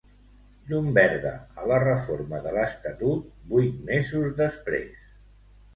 Llum verda a la reforma de l'estatut vuit mesos després.